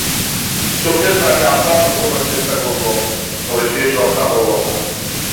চোখের পানি আপ্রাণ লুকোবার চেষ্টা করল তবে শেষ রক্ষা হলো না।